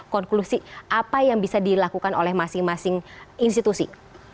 konklusi apa yang bisa dilakukan oleh masing masing institusi